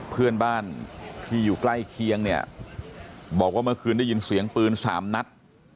เพื่อนบ้านที่อยู่ใกล้เคียงเนี่ยบอกว่าเมื่อคืนได้ยินเสียงปืน๓นัด